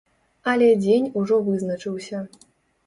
Але дзень ужо вызначыўся.